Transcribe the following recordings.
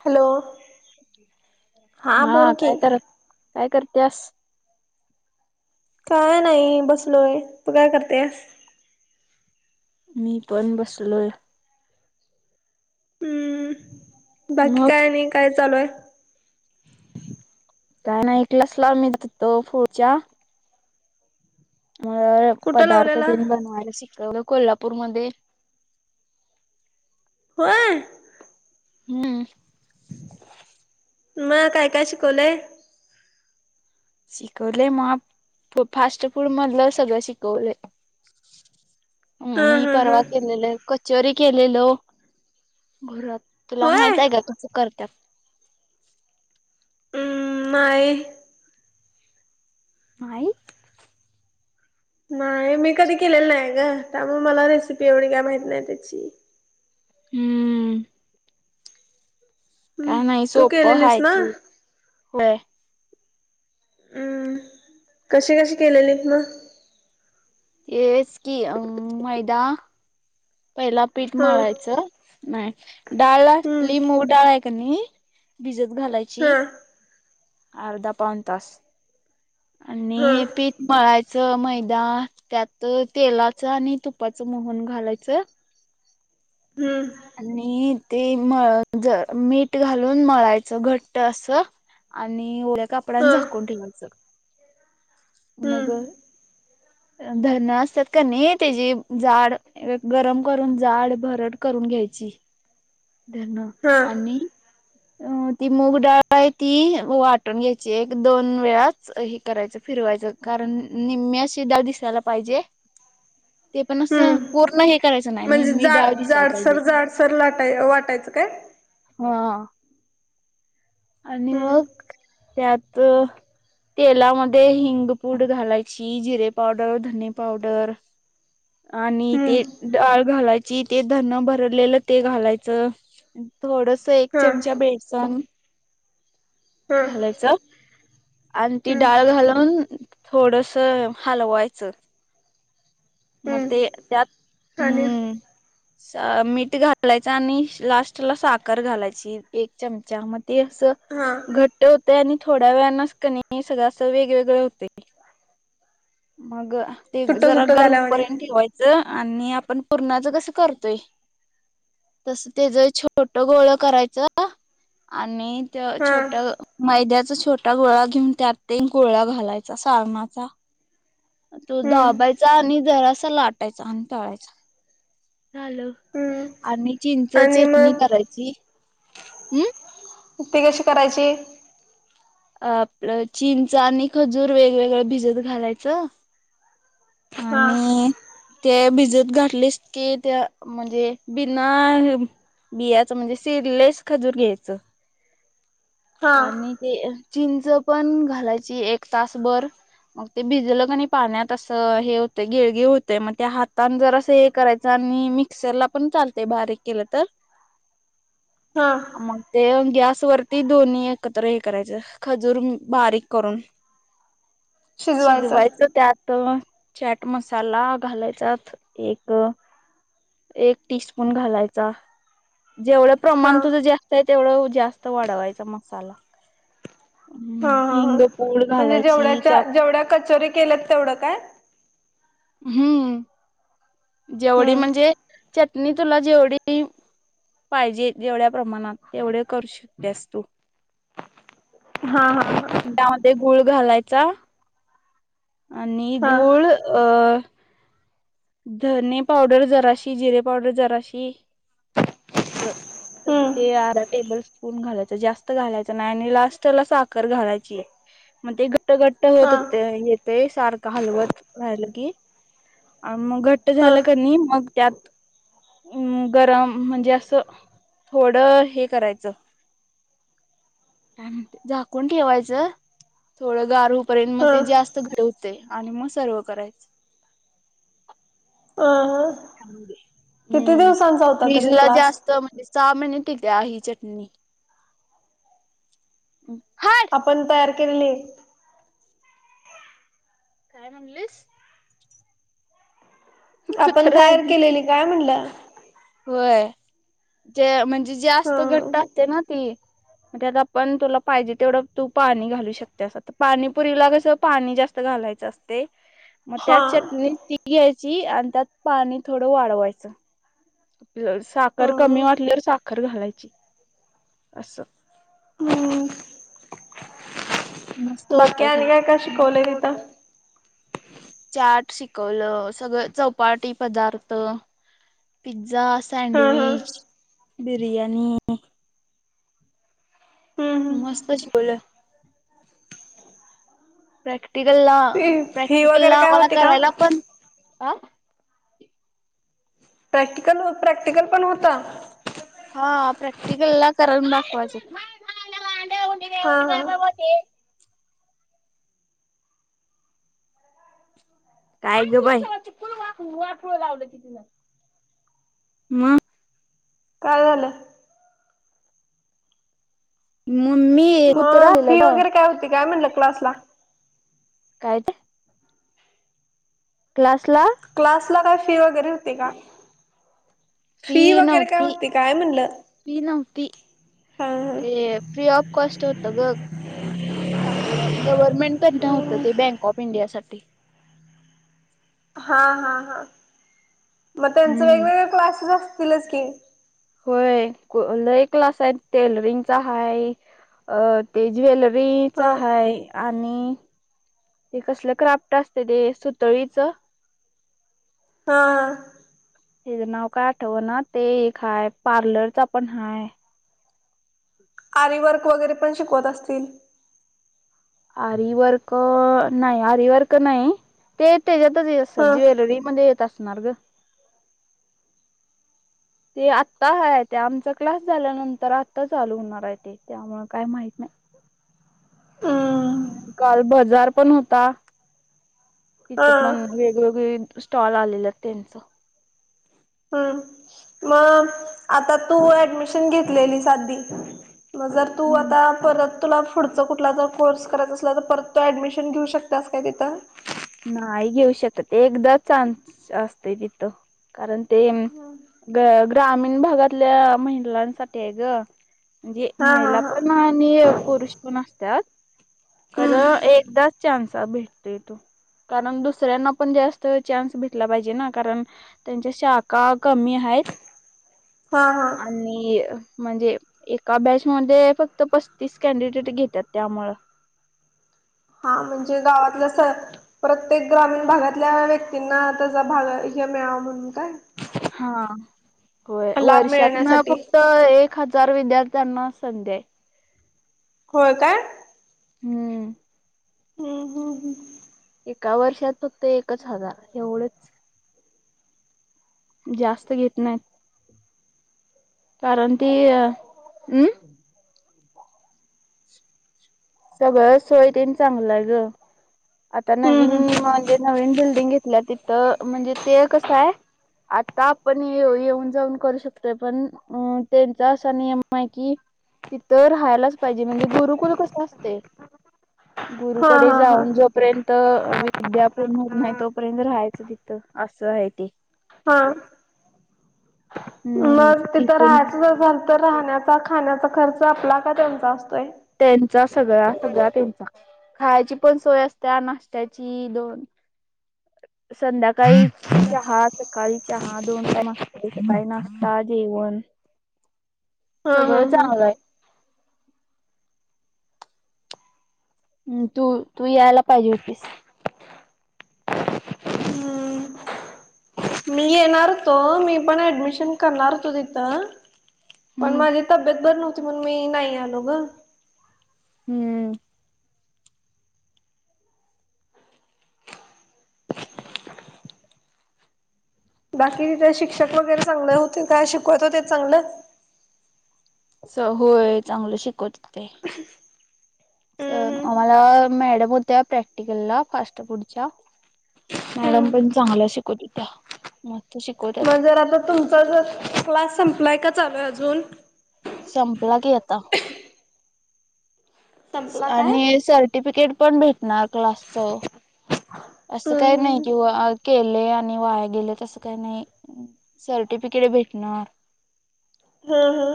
Hello हा बोल की काय करत काय करतेस काय नाही बसलोय... तू काय करतेस. मी पण बसलोयं. हम्म... बाकी मग काय आणि काय चालूय. काय नाही क्लासं लावून [unintelligible] फूड च्या. मगं कुठं पदार्थ लावलेला ते बनवायला शिकवता- कोल्हापूरमध्ये. होय.. हम्. मगं काय काय शिकवलंय? शिकवले मग.. फास्ट फूड मधलं सगळं शिकवले. [inaudible] ह ह्म्म्म.. मी ह ह परवा केलेलो... कचोरी केलेलो घरात. तुला होय माहित आहे का... कस करतेत. हम्... नाही. नाहीई... नाही मी कधी केलेलं नाही ग... त्यामुळे मला रेसिपी एवढी काय माहती नाही त्याची. हम्म.. हम्म काय नाही तू सोपं केलेलीस हाय ना ते... बरं. हम्म... कशी कशी केलेलीत मग. तेचं की... अ मैदा.. पहिला पीठ हा मळायचं. नाही... डाळ हम्म असली मूग डाळाय. हायकी नाय भिजत घालायची. हा अर्धा पाऊनतास. हा आणि पीठ मळायचं मैदा त्यात तेलाच आणि तुपाचं. मोहन घालायचं. हम्म.. आणि ते मळ-ज मीठ घालून मळायचं घट्ट असं. आणि ओळ्या कापड्यांने हा झाकून ठेव्हायचं. हम्म मग... भरड असतात का नाही, त्याची जाड गरम करून जाड भरड कर. करून घ्याची हा आणि- अ ती मूग डाळ आहे ती वाटून घ्यायची एक दोन वेळाच. करायचं फिरवायचं कारण निम्ममीशी डाळ दिसायला पाहिजे. ते पण अस हम्म पूर्ण हे. करायचं नाही. म्हणजे निम्मी जा अशी दिसयाला जाडसर पाहिजे. जाडसर लाटाय वाटायचं काय हा.. आणि हम्म मग त्यात. तेलामध्ये हिंगपूड घालायची. जिरे पावडर, धनी पावडर. आणि हम्म ते डाळ घालायची. ते धण भरडलेलं ते घालायचं. थोडस एक हा चमचा बेसन. हा घालायचं. आणि ती हम्म डाळ घालून थोडस हलवायचं. म ते त्यात. कान [inaudible] हम्म मीठ घालायच आणि लास्ट ला साखर घालायची एक चमचा मग ते. अस हा घट्ट होत आणि थोड्या वेळनाच कणी सगळं अस वेगवेगळं होते. मग ते सुट्ट जरा सुट्ट गार झाल्यावाणी होपर्यंत ठेवायचं. आणि आपण पूर्णाच कसं करतोय. तस तेच छोट गोळ करायचं आणि हा छोट्या मैद्यात छोटा गोळा घेऊन त्यात गोळा घालायचा सारणाचा. तो हम्म दाबायचा आणि जरासा लाटायचा आणि तळायचा. चाल हम्म आणि चिंच आणि चटणी मग करायची हम्. ते कशी करायची. आपलं चींच आणि खजूर वेगवेगळं भिजत घालायचं. हा आणि ते भिजत घातलेस की त्या म्हणजे बिना बियाचं म्हणजे स्लीवलेस खजूर घ्यायचं. हा आणि ते चिंच पण घालायची एक तासभर मग ते भिजलं क आणि पाण्यात असं हे होतं गिळगी होतेय मग त्या हातान जर असं हे करायचं. आणि मिक्सर ला पण चालतय बारीक केलं तर हा मग ते गॅस वरती दोन्ही एकत्र हे करायचं खजूर बारीक करून शिजवायचं त्यात तर चॅट मसाला घालायचा एक एक टीस्पून घालायचा. जेवढं हा प्रमाण तुझं जास्त आहे. तेवढं जास्त वाढवायच मसाला हा हम् हा हा हिंगपूर म्हणजे घालाची चार जेवढ्याच्या जेवढ्या कचोरी केल्यात तेवढं काय हम्म. जेवढी म्हणजे हम्म चटणी तुला जेवढी पाहिजे जेवढ्या प्रमाणात तेवढे करू शकतेस तू हा हा त्यामध्ये गुळ घालायचा. आणि हा गूळ अ धने पावडर जराशी जिरे पावडर जराशी अस तर हम्म ते अर्धा टेबल स्पून घालायचं जास्त घालायचं नाही. आणि लास्टला साखर घालायची आहे. मग ते घट्ट घट्ट होत हा होते येते सारखं हलवत रायलं कीही मग घट्ट हा झालं क नाही मग त्यात अम् गरम म्हणजे असं थोडं हे करायचं. झाकून ठेवायचं थोडं गारू र्यंत मग ते हा जास्त घेवते आणि मग सर्व करायच. अ ह किती म्म दिवसांचा होता फ्रीज तरी ला क्लास जास्त म्हणजे चहा मेने टिक्या ह चटणी हाय आपण तयार केली. काय म्हणलीस. आपण कुत्रा तयार आधी केलेली काय म्हटलं. जे म्हणजे जे असत घट्ट ह असते ना ती आता आपण तुला पाहिजे तेवढं तू पाणी घालू शकते. अस तर पाणीपुरीला कस पाणी जास्त घालायच. च असते. मग त्या हा चटणी त घ्यायची, आणि त्यात पाणी थोडं वाढवायचं. अ साखर कमी वाटल्यावर साखर घालायची असं. मस्त हम्म होत्या खरं बाकी्याया कश गॉलेज ब [unintelligible] चाट शिकवलं सगळं चौपाटी पदार्थ पिझ्झा हा हा सँडविच बिरयानी हम्म मस्त शिकलोय. प्रॅक्टिकलला हम् फी प्रॅक्टिकल वगैरे ला काय मला होती का करायला पण प्रॅक्टिकल प्रॅक्टिकल पण होत? हा प्रॅक्टिकलला करून दाखवायच. हा हा काय ग बाई? म! काय झालं? मम्मी कुत्रा अं, आलेलं फी ग वगैरे काय होती काय म्हणलं क्लासला? काय ते? क्लासला ला काय फी वगैरे होती का? फी वगैरे काय होती काय म्हणलं? फी नव्हती हा ते फ्री ऑफ कॉस्ट होत ग, आपलं गव्हर्नमेंट कडनं हुत ते बँक ऑफ इंडिया साठी. ते. हा, हा, हा मग त्यांच हम्म वेगवेगळ क्लासेस असतीलच की? होय, लय एक क्लास आहे टेलरिंगचा आहे, ज्वेल रीच ह हाय, आणि ते कसलं क्राफ्ट असतेय ते सुतळीच हा! त्याचं नाव काय आठवना ते एक हाय, पार्लरचा पण हाय. आरीवर्क वगैरे पण शिकवत असतील? आरीवर्क अं नाही, आरीवर्क नाही ते तेच्यातच ह असन, ज्वेलरी मध्ये येत असणार गं. ते आत्ता ह आहे ते आमचा क्लास झाल्यानंतर आत्ता चालू होणार आहे, ते त्यामुळं काय माहित नाई.. हम. काल बजार पण होता, तिथ हा पण वेगवेगळी स्टॉल आलेला तेनच. हम, मग आता तू ऍडमिशन घेतलेलीस आधी मग जर तू हम्म आता परत तुला पुढचा कुठला जर कोर्स करायचा असला, तर परत तू ऍडमिशन घेऊ शकतास काय तिथं? नाही घेऊ शकत, ते, एकदा चान्स असतय तिथं, कारण ते ग ग्रामीण भागातल्या महिलांसाठी आहे गं. म्हणजे, हा हा महिला हा पण आणि पुरुष पण असत्यात, खर हम्म एकदाच चान्स भेटतोत तो. कारण दुसऱ्यांना पण जास्त चान्स भेटला पाहिजे ना, कारण त्यांच्या शाखा कमी आहेत. हा हा आणि म्हणजे, एका बॅचमध्ये फक्त पस्तीस कॅनडिडेट घेत्यात त्यामुळं [inaudible] हां, म्हणजे गावातलं सर प्रत्येक ग्रामीण भागातल्या, व्यक्तींना त्याचा भाग हे मिळावा म्हणून काय? हां, होय लाभ वर्षातन मिळण्यासाठी फक्त एक हजार विद्यार्थ्यांना संधी आय. होय काय? हम्म. हम्म, हम्म, हम्! एका वर्षात फक्त एकच हजार. एवढंच! जास्त घेत नाहीत. कारण ती अ, म्. सगळं सोय तेन चांगलं आहे ग, आता हम्म नवीन अं हम्म म्हणजे नवीन बिल्डिंग घेतल्या तिथं, म्हणजे ते कसं आय आता आपण ये येऊन जाऊन करू शकतोय, पण अ त्यांचा असा नियम आहे किऽऽ तिथंऽ राहायलाच पाहिजे, म्हणजे गुरुकुल कस असऽऽ हा गुरुकडे हा हा जाऊन जोपर्यंतऽ त विद्या पूर्ण होत नाही, तोपर्यंत राहायचं तिथंच, असं आहे तेऽ हा [unintelligible] तिथं राहायचं जर झाल तर राहण्याचा खाण्याचा खर्च आपला का त्यांचा असतोय. त्यांचा सगळा सगळा्या त्यांचा खायची पण सोय असत नाशत्याची दोन. [inaudible] संध्याकाळी चहा सकाळी चहा दोन टाईम असतयं सकाळी नाश्ता जेवण. [unintelligible] हा हा सगळं हा चांगलं आहे. हम् तू तू यायला पाहिजे होतीस. हम्म मी येणार होतो मी पण ऍडमिशन करणार होतो तिथं. पण हम्म माझी तब्येत बर नव्हती म्हण मी नाही आलो ग. हम्म बाकी शिक्षक वगैरे चांगलं होते का शिकवत होते चांगलं. स होय चांगलं शिकवत. ते [unintelligible] हम्म मग त्या प्रॅक्टिकलला फास्ट फूडच्या. मॅडम पण चांगला शिकवत हो त्या म. मजर आता तुमचा ज क्लास संपलाय का चालूय अजून. संपला की आता. संपला काय? आणि सर्टिफिकेट पण भेटणार क्लास च. असं हम्म काही हम्म नाही किंवा के. आणि वाया गे त काही नाही सर्टिफिकेट भेटणार. हा हा.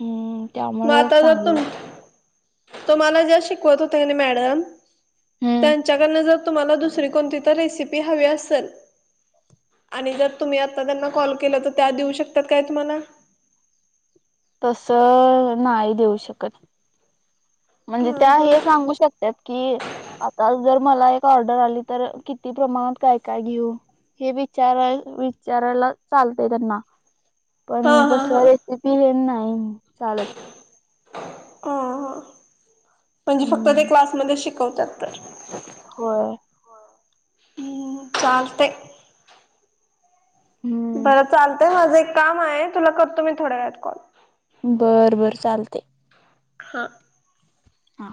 हम्म त्यामुळं माता जातो चांगलं ना. त मला ज्या शिकवत होत मॅडम हम्म त्यांच्याकड ज. तुम्हाला दुसरी कोणती तर रेसिपी हवी असेल. आणि जर तुम्ही आता त्यांना कॉल केला तर त्या देऊ शकतात काय तुम्हाला. तस नाही देऊ शकत. म्हणजे हां त्या हां हे सांगू शकतात की आता जर. मला एक ऑर्डर आली तर किती प्रमाणात काय काय घेऊ. हे विचाराय विचारायला चालतय त्यांना. पण हां हां तस हां रेसिपी हे नाही चालत. अ म्हणजे फक्त ते हम्म क्लासमध्ये शिकवतात तर. होय. हम्म चालते. हम्म बरं चालतय माझं एक काम आहे तुला करतो मी थोड्या वेळात कॉल. बर बर चालते. हा. हा.